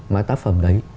mà tác phẩm đấy